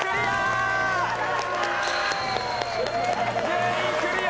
全員クリア！